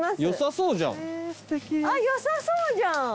よさそうじゃん！